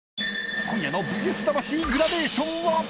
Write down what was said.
［今夜の『ＶＳ魂』グラデーションは］